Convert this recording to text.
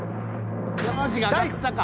山内が上がったか。